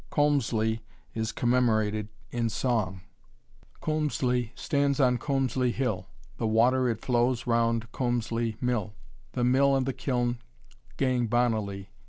Colmslie is commemorated in song: Colmslie stands on Colmslie hill. The water it flows round Colmslie mill; The mill and the kiln gang bonnily.